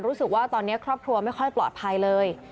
รู้สึกว่าตอนนี้ครอบครัวไม่ค่อยปลอดภัยเลย